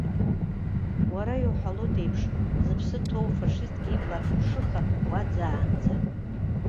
Уара иуҳәалоит еиԥш, зыԥсы ҭоу фашистк ибла аҭаԥшыха уаӡаанӡа.